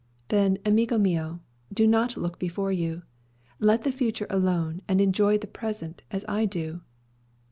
"Then, amigo mio, do not look before you. Let the future alone, and enjoy the present, as I do."